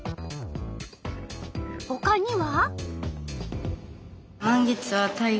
ほかには？